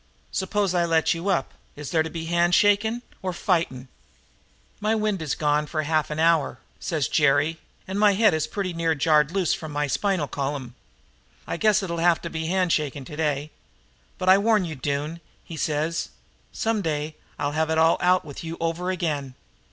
'S'pose I let you up. Is it to be a handshaking or fighting?' "'My wind is gone for half an hour,' says Jerry, 'and my head is pretty near jarred loose from my spinal column. I guess it'll have to be hand shaking today. But I warn you, Doone,' he says, 'someday I'll have it all out with you over again.'